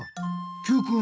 Ｑくん